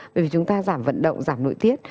bởi vì chúng ta giảm vận động giảm nội tiết